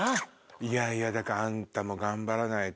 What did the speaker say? いやいやだからあんたも頑張らないと。